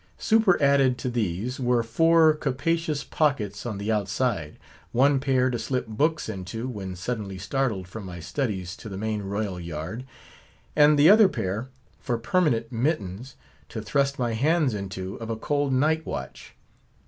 Superadded to these, were four capacious pockets on the outside; one pair to slip books into when suddenly startled from my studies to the main royal yard; and the other pair, for permanent mittens, to thrust my hands into of a cold night watch.